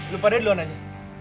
lo pada duluan aja